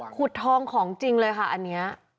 ทองของจริงเลยค่ะอันนี้